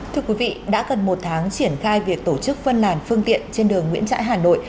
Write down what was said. thưa quý vị đã gần một tháng triển khai việc tổ chức phân làn phương tiện trên đường nguyễn trãi hà nội